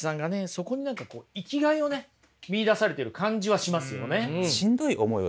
そこに何か生きがいをね見いだされてる感じはしますよね。